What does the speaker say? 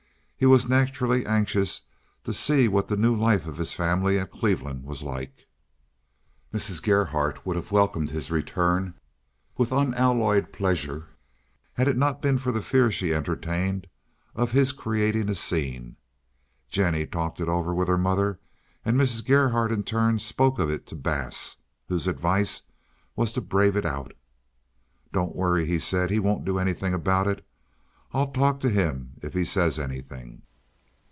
He was naturally anxious to see what the new life of his family at Cleveland was like. Mrs. Gerhardt would have welcomed his return with unalloyed pleasure had it not been for the fear she entertained of his creating a scene. Jennie talked it over with her mother, and Mrs. Gerhardt in turn spoke of it to Bass, whose advice was to brave it out. "Don't worry," he said; "he won't do anything about it. I'll talk to him if he says anything."